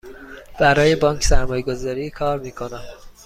برای بانک سرمایه گذاری کار می کنم.